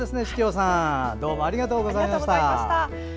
式生さんどうもありがとうございました。